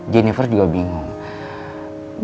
jennifer juga bingung